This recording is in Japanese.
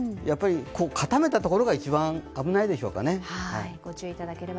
かためたところが一番危ないでしょうかね。